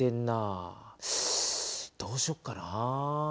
どうしよっかな。